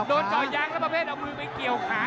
จ่อยางแล้วประเภทเอามือไปเกี่ยวขา